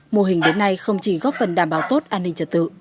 mô hình đến nay không chỉ góp phần đảm bảo tốt an ninh trật tự